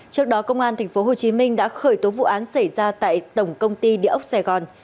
trước đó công an tp hcm đã khởi tố vụ án xảy ra tại tổng công ty địa ốc sài gòn